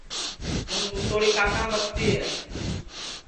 توں سُتوڑی کاکام ٻکتی ہے